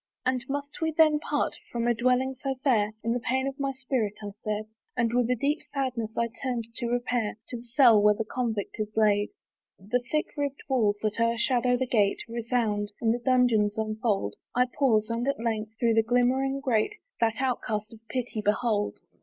"And must we then part from a dwelling so fair?" In the pain of my spirit I said, And with a deep sadness I turned, to repair To the cell where the convict is laid. The thick ribbed walls that o'ershadow the gate Resound; and the dungeons unfold: I pause; and at length, through the glimmering grate, That outcast of pity behold.